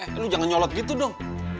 eh lu jangan nyolot gitu dong